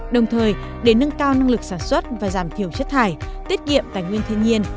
đồng thời để nâng cao năng lực sản xuất và giảm thiểu chất thải tiết kiệm tài nguyên thiên nhiên